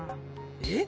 えっ？